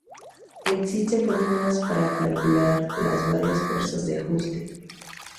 Existen fórmulas para calcular las varias fuerzas de ajuste.